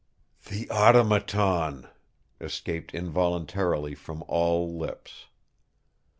"The Automaton!" escaped involuntarily from all lips.